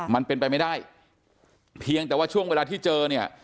มันเป็นไปไม่ได้เพียงแต่ว่าช่วงเวลาที่เจอเนี่ย